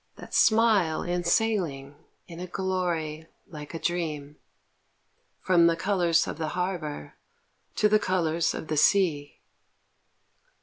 that smile in sailing In a glory Like a dream, From the colors of the harbor to the colors of the sea.